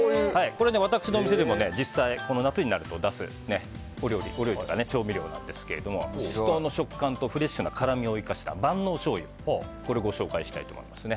私もお店でも実際夏になると出す調味料なんですけどシシトウの食感とフレッシュな辛みを生かした万能しょうゆをご紹介したいと思います。